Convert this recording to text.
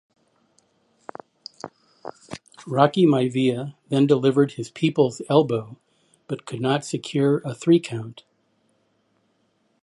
Rocky Maivia then delivered his People's Elbow, but could not secure a three-count.